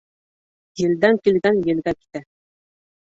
Елдән килгән елгә китә.